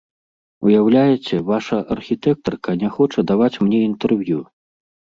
Уяўляеце, ваша архітэктарка не хоча даваць мне інтэрв'ю.